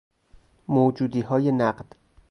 موجودیهای نقد